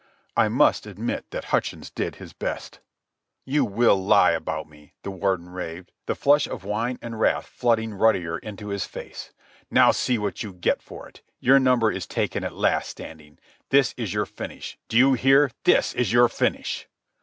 I must admit that Hutchins did his best. "You will lie about me," the Warden raved, the flush of wine and wrath flooding ruddier into his face. "Now see what you get for it. Your number is taken at last, Standing. This is your finish. Do you hear? This is your finish."